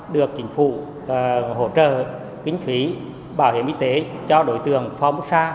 được chính phủ hỗ trợ kinh phí bảo hiểm y tế cho đối tượng phòng xa